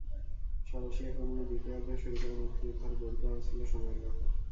সাঁড়াশি আক্রমণে দ্বিতীয়ার্ধ শুরু করা মুক্তিযোদ্ধার গোল পাওয়া ছিল সময়ের ব্যাপার।